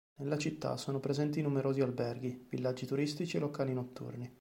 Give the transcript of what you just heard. Nella città sono presenti numerosi alberghi, villaggi turistici e locali notturni.